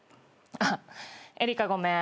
あっエリカごめん。